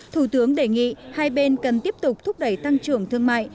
thủ tướng đề nghị hai bên cần tiếp tục thúc đẩy tăng trưởng thương mại